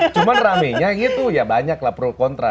cuman rame nya gitu ya banyak lah pro kontra